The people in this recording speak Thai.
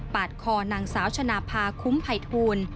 คอนางสาวชนะพาคุ้มภัยทูล